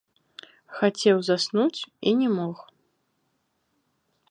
Хацеў заснуць і не мог.